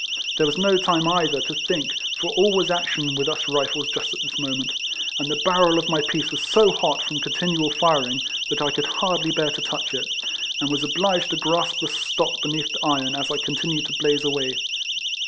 There was no time either to think, for all was action with us Rifles just at this mo ment; and the barrel of my piece was so hot from continual firing, that I could hardly bear to touch it, and was obliged to grasp the stock beneath the iron, as I con tinued to blaze away.